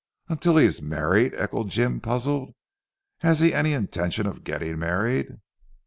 "Until he is married?" echoed Jim puzzled. "Has he any intention of getting married?"